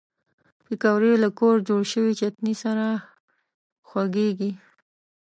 پکورې له کور جوړ شوي چټني سره خوږېږي